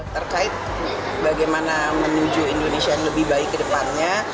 terkait bagaimana menuju indonesia yang lebih baik ke depannya